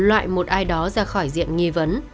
loại một ai đó ra khỏi diện nghi vấn